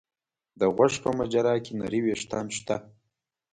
د غوږ په مجرا کې نري وېښتان شته.